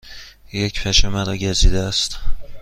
یک پشه مرا گزیده است.